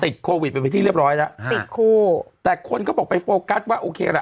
ติดโควิดไปเป็นที่เรียบร้อยแล้วติดคู่แต่คนก็บอกไปโฟกัสว่าโอเคล่ะ